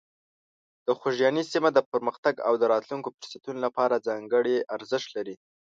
د خوږیاڼي سیمه د پرمختګ او د راتلونکو فرصتونو لپاره ځانګړې ارزښت لري.